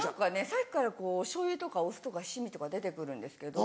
さっきからお醤油とかお酢とか七味とか出て来るんですけど。